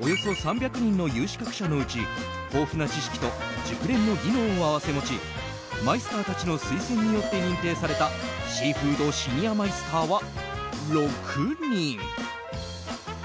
およそ３００人の有資格者のうち豊富な知識と熟練の技能を併せ持ちマイスターたちの推薦によって認定されたシーフードシニアマイスターは６人。